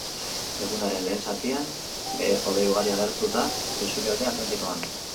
Egunaren lehen zatian, behe-hodei ugari agertu da isurialde atlantikoan.